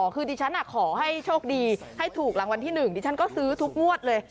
คือดิฉันขอให้โชคดีให้ถูกรางวัลที่๑ดิฉันก็ซื้อทุกงวดเลย